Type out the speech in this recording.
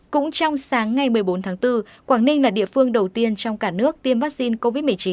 cũng trong sáng ngày một mươi bốn tháng bốn quảng ninh là địa phương đầu tiên trong cả nước tiêm vaccine covid một mươi chín